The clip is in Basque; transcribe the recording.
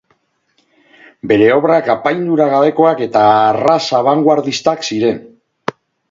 Bere obrak apaindura gabekoak eta arras abangoardistak ziren.